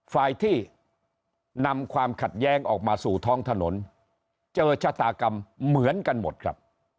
ฝ่ายที่นำความขัดแย้งออกมาสู่ท้องถนนเจอชะตากรรมเหมือนกันหมดครับ